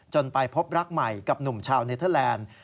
ไปพบรักใหม่กับหนุ่มชาวเนเทอร์แลนด์